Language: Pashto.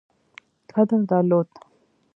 قدر درلود.